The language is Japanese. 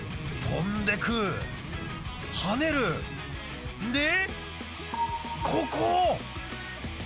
飛んでく跳ねるでここ！